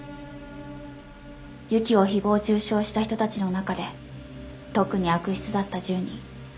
ＹＵＫＩを誹謗中傷した人たちの中で特に悪質だった１０人。